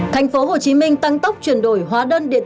thành phố hồ chí minh tăng tốc chuyển đổi hóa đơn điện